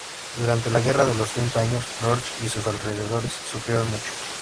Durante la Guerra de los Treinta Años Lorsch y sus alrededores sufrieron mucho.